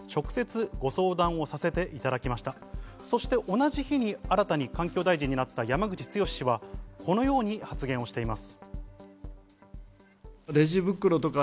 同じ日に新たに環境大臣になった山口壮氏は今のように発言しています。